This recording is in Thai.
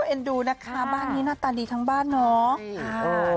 เอ็นดูนะคะบ้านนี้หน้าตาดีทั้งบ้านเนาะ